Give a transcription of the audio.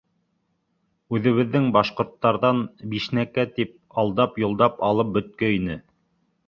Үҙебеҙҙең башҡорттарҙан бишнәккә тип алдап-йолдап алып бөткәйне.